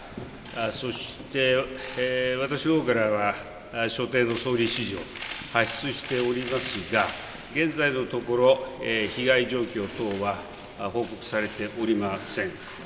そして、私のほうからは所定の総理指示を発出しておりますが、現在のところ、被害状況等は報告されておりません。